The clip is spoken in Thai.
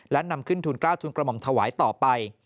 และนำขึ้นทุนกล้าทุนกระหม่อมถวายต่อไป